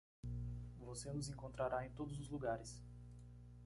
Você nos encontrará em todos os lugares.